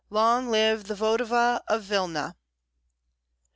Long live the voevoda of Vilna!"